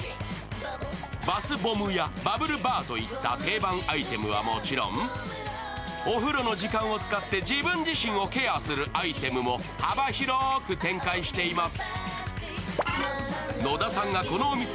バスボムやバブルバーといって定番アイテムはもちろんお風呂の時間を使って自分自身をケアするアイテムも幅広く展開しています。